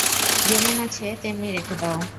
যেমন আছে তেমনি রেখে দাও।